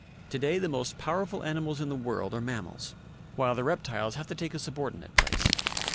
To day the most powerful animals in the world are mammals while the reptiles have to take a subor dinate place.